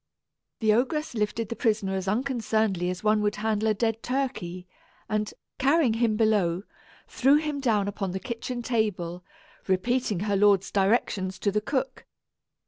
The ogress lifted the prisoner as unconcernedly as one would handle a dead turkey and, carrying him below, threw him down upon the kitchen table, repeating her lord's directions to the cook.